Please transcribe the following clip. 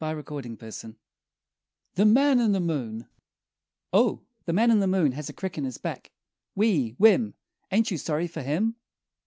[Illustration: THE MAN IN THE MOON] O, The Man in the Moon has a crick in his back; Whee! Whimm! Ain't you sorry for him?